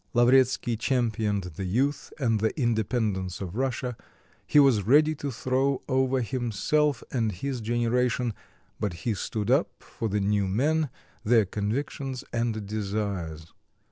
Lavretsky championed the youth and the independence of Russia; he was ready to throw over himself and his generation, but he stood up for the new men, their convictions and desires.